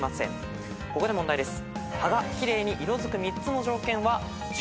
ここで問題です。